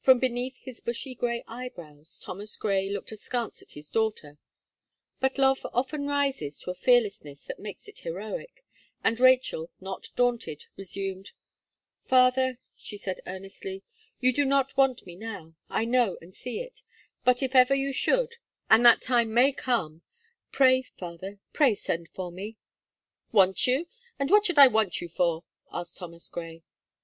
From beneath his bushy grey eyebrows, Thomas Gray looked askance at his daughter; but love often rises to a fearlessness that makes it heroic, and Rachel, not daunted, resumed: "Father," she said, earnestly, "you do not want me now; I know and see it, but if ever you should and that time may come, pray, father, pray send for me." "Want you? and what should I want you for?" asked Thomas Gray.